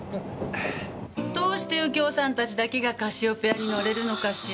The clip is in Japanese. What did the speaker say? どうして右京さんたちだけがカシオペアに乗れるのかしら？